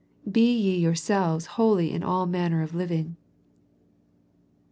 " Be ye yourselves holy in all manner of Hving."